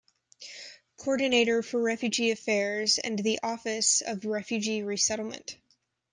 Coordinator for Refugee Affairs and the Office of Refugee Resettlement.